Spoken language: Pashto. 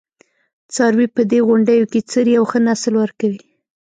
څاروي په دې غونډیو کې څري او ښه نسل ورکوي.